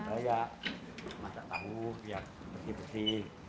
saya masak tahu besi besi